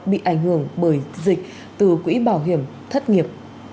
bị ảnh hưởng bởi dịch từ quỹ bảo hiểm thất nghiệp